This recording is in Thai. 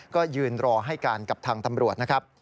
ก็ยืนรอให้กันกับทางตำรวจ